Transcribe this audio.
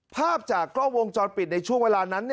ภาพจากกล้องวงจรปิดในช่วงเวลานั้น